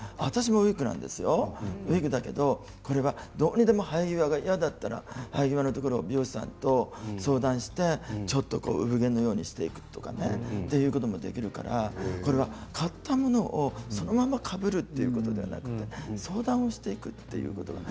ウイッグなんですけど、これはどうにでも生え際のところ美容師さんと相談してちょっと産毛のようにしていくとかねということもできるからこれは買ったものをそのままかぶるということではなくて相談をしていくということがね